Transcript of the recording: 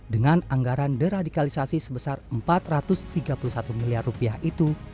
dengan anggaran deradikalisasi sebesar empat ratus tiga puluh satu miliar rupiah itu